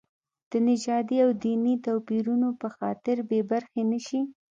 د نژادي او دیني توپیرونو په خاطر بې برخې نه شي.